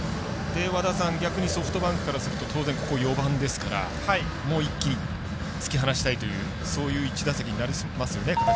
逆にソフトバンクからすると当然、４番ですからもう一気に突き放したいというそういう１打席になりますね。